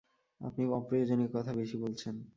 আপনি অপ্রয়োজনীয় কথা বেশি বলছেন।